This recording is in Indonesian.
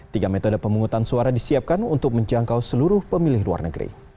tiga metode pemungutan suara disiapkan untuk menjangkau seluruh pemilih luar negeri